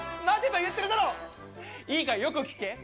「待てと言ってるだろういいかよく聞け」